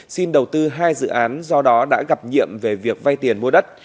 xin đầu tư hai dự án do đó đã gặp nhiệm về việc vay tiền mua đất